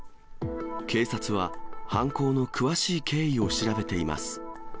警察は犯行の詳しい経緯を調べています。